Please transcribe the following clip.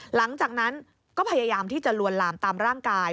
หลังจากนั้นก็พยายามที่จะลวนลามตามร่างกาย